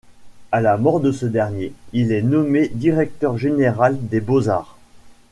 À la mort de ce dernier, il est nommé directeur général des beaux-arts.